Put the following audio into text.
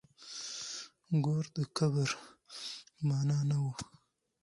ګور د کبر مانا نه وه.